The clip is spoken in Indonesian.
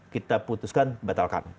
kita putuskan batalkan